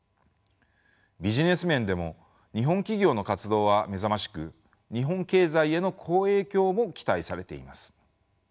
ビジネス面でも日本企業の活動は目覚ましく日本経済への好影響も期待されています。